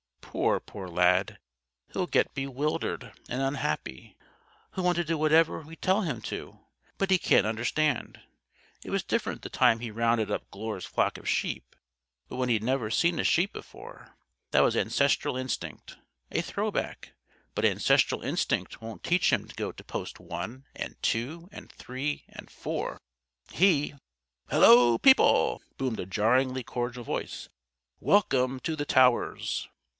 "Poor, poor Lad! He'll get bewildered and unhappy. He'll want to do whatever we tell him to, but he can't understand. It was different the time he rounded up Glure's flock of sheep when he'd never seen a sheep before. That was ancestral instinct. A throwback. But ancestral instinct won't teach him to go to Post 1 and 2 and 3 and 4. He " "Hello, people!" boomed a jarringly cordial voice. "Welcome to the Towers!"